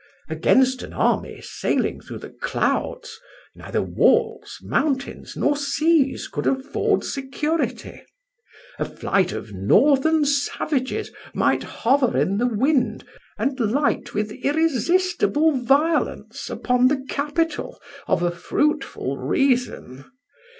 Against an army sailing through the clouds neither walls, mountains, nor seas could afford security. A flight of northern savages might hover in the wind and light with irresistible violence upon the capital of a fruitful reason.